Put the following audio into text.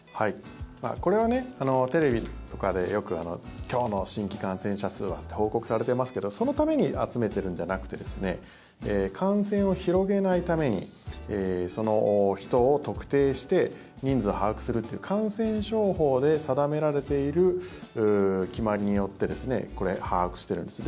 これは、テレビとかでよく今日の新規感染者数はって報告されてますけどそのために集めてるんじゃなくて感染を広げないためにその人を特定して人数を把握するという感染症法で定められている決まりによってこれ、把握してるんです。